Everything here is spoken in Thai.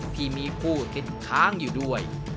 ที่มีผู้ติดค้างอยู่ด้วย